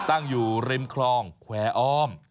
ตั้งอยู่ริมคลองแควร์อ้อม